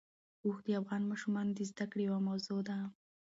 اوښ د افغان ماشومانو د زده کړې یوه موضوع ده.